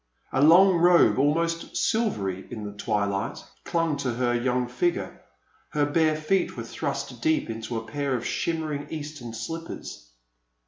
A long robe, almost silvery in the twilight, clung to her 3'oung figure ; her bare feet were thrust deep into a pair of shim mering eastern slippers.